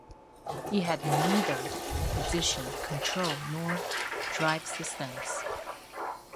It had neither position control nor drive systems.